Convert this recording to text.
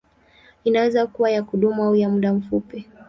Inaweza kuwa ya kudumu au ya muda mfupi.